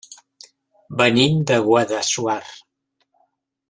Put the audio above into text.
Venim de Guadassuar.